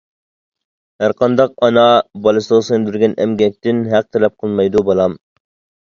ھەرقانداق ئانا بالىسىغا سىڭدۈرگەن ئەمگەكتىن ھەق تەلەپ قىلمايدۇ، بالام.